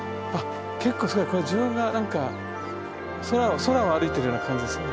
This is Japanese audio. これ自分が何か空を空を歩いてるような感じですね。